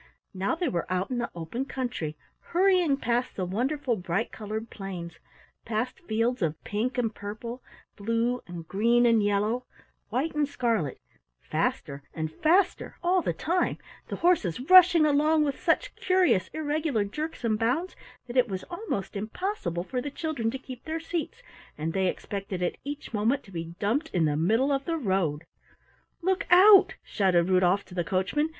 Now they were out in the open country hurrying past the wonderful bright colored plains, past fields of pink and purple, blue and green and yellow, white and scarlet, faster and faster all the time, the horses rushing along with such curious irregular jerks and bounds that it was almost impossible for the children to keep their seats, and they expected at each moment to be dumped in the middle of the road. "Look out!" shouted Rudolf to the coachman.